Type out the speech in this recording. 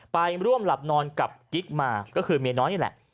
ไปร่วมหลับนอนกับกิ๊กมาก็คือเมียน้อยนี่แหละ